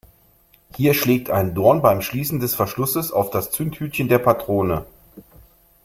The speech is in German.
Hier schlägt ein Dorn beim Schließen des Verschlusses auf das Zündhütchen der Patrone.